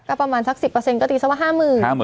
ก็ประมาณสัก๑๐เปอร์เซ็นต์ก็ตีเท่าไหร่ว่า๕๐๐๐๐